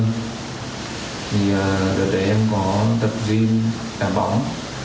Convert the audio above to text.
thì đợt đấy em có tập gym đạp bóng